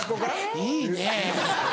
いいねぇ。